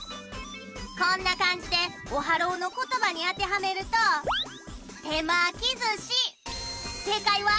こんなかんじでオハローのことばにあてはめると「てまきずし」